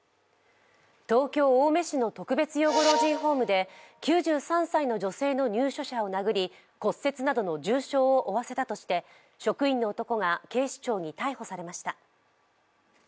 東京・青梅市の特別養護老人ホームで９３歳の女性の入所者を殴り骨折などの重傷を負わせたとして職員の男が警視庁に逮捕されました。